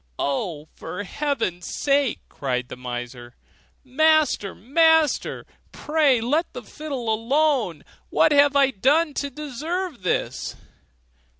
'Oh, for heaven's sake!' cried the miser, 'Master! master! pray let the fiddle alone. What have I done to deserve this?